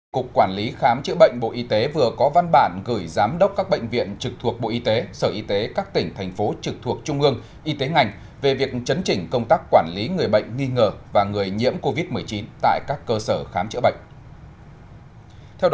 cục quản lý khám chữa bệnh bộ y tế vừa có văn bản gửi giám đốc các bệnh viện trực thuộc bộ y tế sở y tế các tỉnh thành phố trực thuộc trung ương y tế ngành về việc chấn chỉnh công tác quản lý người bệnh nghi ngờ và người nhiễm covid một mươi chín tại các cơ sở khám chữa bệnh